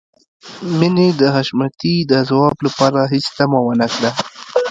مينې د حشمتي د ځواب لپاره هېڅ تمه ونه کړه.